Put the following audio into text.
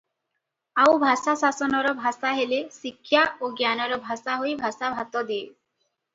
ଆଉ ଭାଷା ଶାସନର ଭାଷା ହେଲେ ଶିକ୍ଷା ଓ ଜ୍ଞାନର ଭାଷା ହୋଇ ଭାଷା ଭାତ ଦିଏ ।